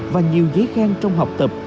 và nhiều giấy khen trong học tập